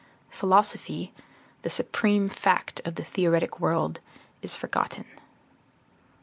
Philosophy, the supreme fact of the theoretic world, is forgotten.